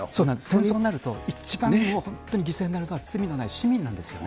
戦争になると、一番犠牲になるのは罪のない市民なんですよね。